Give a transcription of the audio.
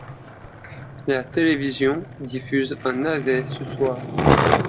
La télévision diffuse un navet ce soir.